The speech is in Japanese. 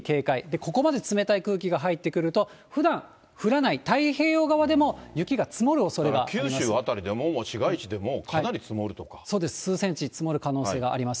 ここまで冷たい空気が入ってくると、ふだん降らない太平洋側でも九州辺りでも、もう市街地でそうです、数センチ積もる可能性があります。